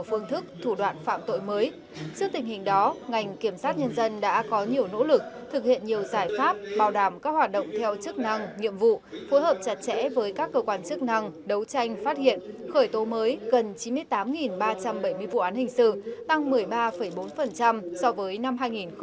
phối hợp chặt chẽ với các cơ quan chức năng đấu tranh phát hiện khởi tố mới gần chín mươi tám ba trăm bảy mươi vụ án hình sự tăng một mươi ba bốn so với năm hai nghìn hai mươi hai